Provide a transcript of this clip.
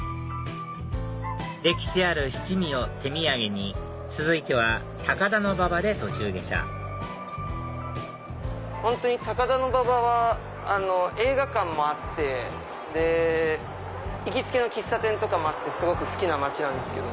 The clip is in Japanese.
歴史ある七味を手土産に続いては高田馬場で途中下車本当に高田馬場は映画館もあって行きつけの喫茶店とかもあってすごく好きな街なんですけど。